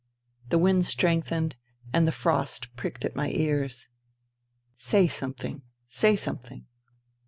The wind strengthened and the frost pricked at my ears. " Say something ! Say something